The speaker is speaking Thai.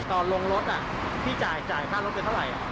ตอนลงรถพี่จ่ายค่ารถไปเท่าไหร่